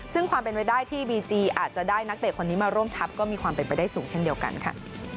ซึ่งความเป็นไปได้ที่บีจีอาจจะได้นักเตะคนนี้มาร่วมทัพก็มีความเป็นไปได้สูงเช่นเดียวกันค่ะ